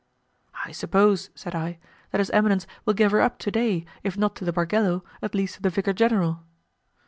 "I suppose," said I, "that his eminence will give her up to day, if not to the bargello, at least to the Vicar General."